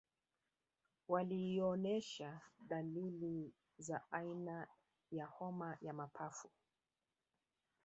Walioonesha dalili za aina ya homa ya mapafu